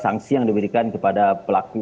sanksi yang diberikan kepada pelaku